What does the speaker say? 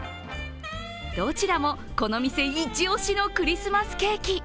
どちらもこの店一押しのクリスマスケーキ。